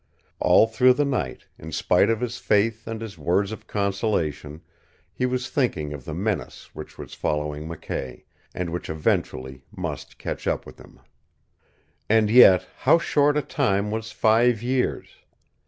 All through the night, in spite of his faith and his words of consolation, he was thinking of the menace which was following McKay, and which eventually must catch up with him. And yet, how short a time was five years!